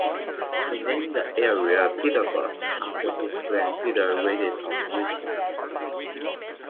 He named the area Peterborough after his friend Peter Reid of Richmond.